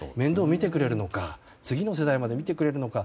見てくれるのか次の世代まで見てくれるのか。